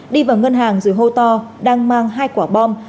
đi vào ngân hàng rồi hô to đang mang hai quả bom